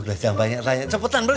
udah jangan banyak tanya cepetan beli